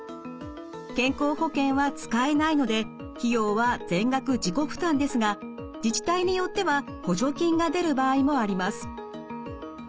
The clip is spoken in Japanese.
健康保険は使えないので費用は全額自己負担ですが自治体によっては補助金が出る場合もあります。